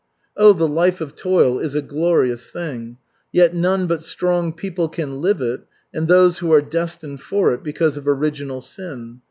Oh, the life of toil is a glorious thing! Yet none but strong people can live it and those who are destined for it because of original sin.